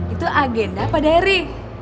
itu agenda apa dery